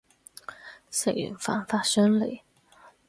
食完飯發上嚟